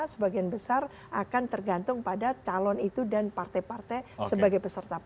sebagian besar akan tergantung pada calon itu dan partai partai sebagai peserta pemilu